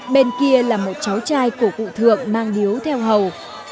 bên kia là một cháu trai của cụ thượng mang điếu theo hầu